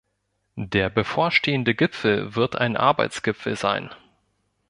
Der bevorstehende Gipfel wird ein Arbeitsgipfel sein.